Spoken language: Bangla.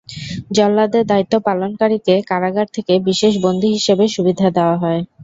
জল্লাদের দায়িত্ব পালনকারীকে কারাগার থেকে বিশেষ বন্দী হিসেবে সুবিধা দেওয়া হয়।